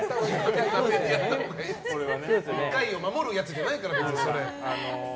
１回を守るやつじゃないから、それ。